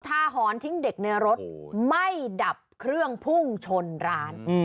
หอนทิ้งเด็กในรถไม่ดับเครื่องพุ่งชนร้าน